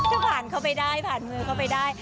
ก็ผ่านเข้าไปได้ผ่านมือเข้าไปได้